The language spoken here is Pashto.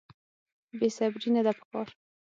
بې صبري نه ده په کار.